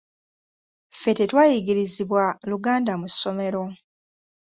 Ffe tetwayigirizibwa Luganda mu ssomero.